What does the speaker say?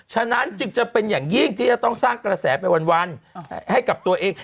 ฉะนั้นจึงจะเป็นอย่างยิ่งที่จะต้องสร้างกระแสไปวันให้กับตัวเอง